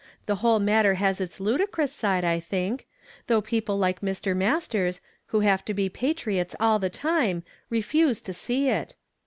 The whole matter has its ludicrous side, I think; though people like Mr. Masters, who have to be patriots all the time, refuse to see it.